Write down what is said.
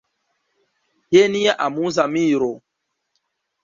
Je nia amuza miro!